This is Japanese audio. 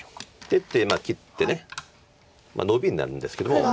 出て切ってノビになるんですけども。